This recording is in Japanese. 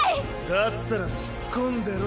・だったらすっ込んでろ。